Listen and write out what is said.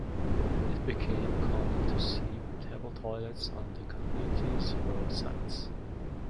It became common to see portable toilets on the community's road sides.